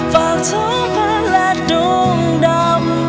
ฝากเธอพันและดวงดาว